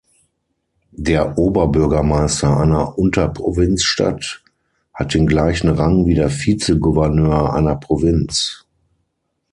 Der Oberbürgermeister einer Unterprovinzstadt hat den gleichen Rang wie der Vize-Gouverneur einer Provinz.